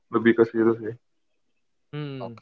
lebih ke situ sih